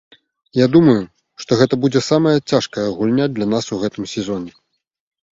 Я думаю, што гэта будзе самая цяжкая гульня для нас у гэтым сезоне.